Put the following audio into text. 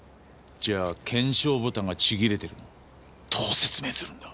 じゃあ肩章ボタンがちぎれてるのをどう説明するんだ？